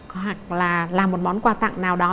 hoặc là làm một món quà tặng nào đó